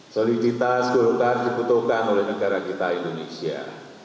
soliditas golkar dibutuhkan oleh negara kita indonesia